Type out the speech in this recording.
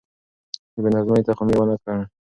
د بې نظمۍ تخم يې ونه کره.